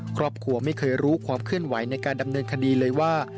ครอบครัวไม่เคยรู้ความเคลื่อนไหวในการดำเนินคดีเลยว่า